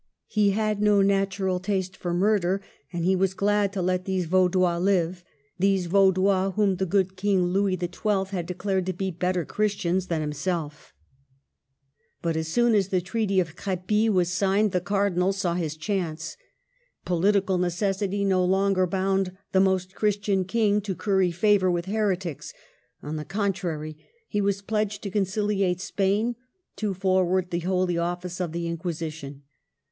He had no natural taste for murder, and he was glad to let these Vaudois live, — these Vaudois, whom the good King Louis XIL had declared to be better Christians than himself But as soon as the Treaty of Crepy was signed the Cardinal saw his chance. Political necessity no longer bound the most Christian King to curry favor with heretics ; on the con trary, he was pledged to conciliate Spain, to forward the holy office of the Inquisition.